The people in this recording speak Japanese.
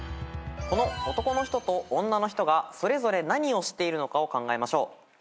この男の人と女の人がそれぞれ何をしているのかを考えましょう。